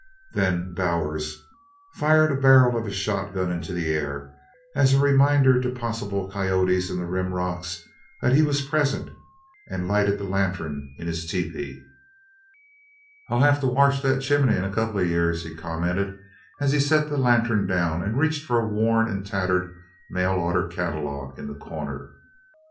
Then Bowers fired a barrel of his shotgun into the air as a reminder to possible coyotes in the rim rocks that he was present, and lighted the lantern in his tepee. "I'll have to warsh that chimbly in a couple o' years," he commented as he set the lantern down and reached for a worn and tattered mail order catalogue in the corner.